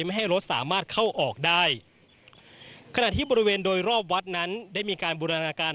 ไม่ให้รถสามารถเข้าออกได้ขณะที่บริเวณโดยรอบวัดนั้นได้มีการบูรณาการ